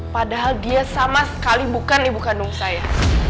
padahal dia sama sekali bukan ibu kandung saya